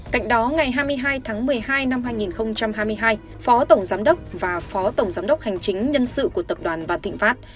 cạnh đó ngày hai mươi hai tháng một mươi hai năm hai nghìn hai mươi hai phó tổng giám đốc và phó tổng giám đốc hành chính nhân sự của tập đoàn vạn thịnh pháp